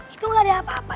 itu nggak ada apa apa